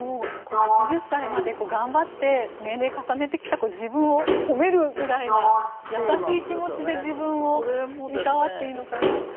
８０歳まで頑張って年齢重ねてきた自分をほめるくらいな優しい気持ちで自分を労っていいのかなと。